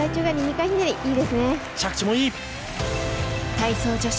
着地もいい。